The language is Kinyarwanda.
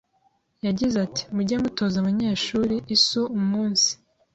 Yagize ati:Mujye mutoza abanyeshuri isuumunsi